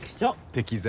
適材。